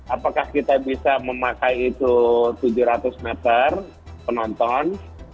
apakah kita bisa memakai itu tujuh ratus meter penonton